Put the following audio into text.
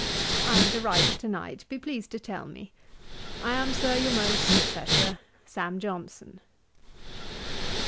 I am to write to night; be pleased to tell me. 'I am, Sir, your most, &c., 'SAM. JOHNSON.'